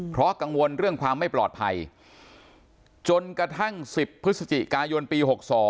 เพราะกังวลเรื่องความไม่ปลอดภัยจนกระทั่ง๑๐พฤศจิกายนปี๖๒